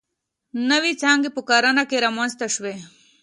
نوې څانګې په کرنه کې رامنځته شوې.